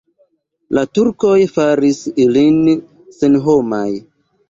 La turkoj faris ilin senhomaj.